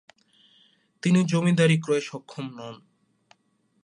তিনি জমিদারি ক্রয়ে সক্ষম হন।